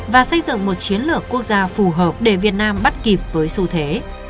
và xây dựng một chiến lược quốc gia phù hợp để việt nam bắt kịp với xu thế